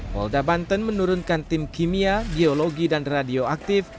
walda banten menurunkan tim kimia biologi dan radioaktif